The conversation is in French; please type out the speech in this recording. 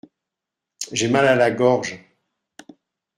J’ai mal à la gorge.